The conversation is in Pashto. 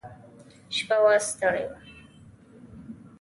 شپه وه ستړي وو.